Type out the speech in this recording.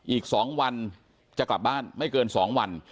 อีก๒วันจะกลับบ้านไม่เกิน๒วัน